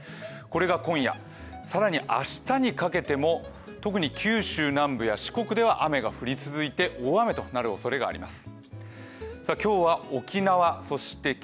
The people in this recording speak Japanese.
これが今夜更に明日にかけても特に九州南部や四国では雨が降り続いて、大雨となるおそれがあります。